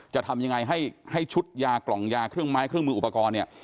จะทำยังไงให้ชุดยากล่องยาเครื่องไม้เครื่องมืออุปกรณ์เนี่ย